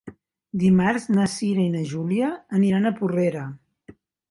Dimarts na Cira i na Júlia aniran a Porrera.